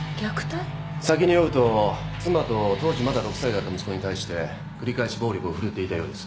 酒に酔うと妻と当時まだ６歳だった息子に対して繰り返し暴力を振るっていたようです。